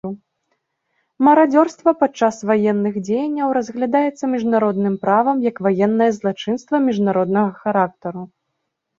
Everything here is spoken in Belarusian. Марадзёрства падчас ваенных дзеянняў разглядаецца міжнародным правам як ваеннае злачынства міжнароднага характару.